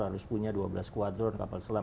harus punya dua belas kuadron kapal selam